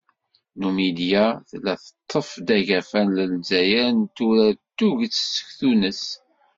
Numidya tella teṭṭef-d agafa n Lezzayer n tura d tuget seg Tunes.